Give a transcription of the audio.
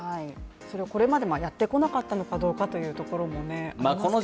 それをこれまでやってこなかったのかどうかというところも、ありますけれども。